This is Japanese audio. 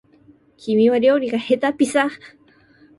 君は料理がへたっぴさ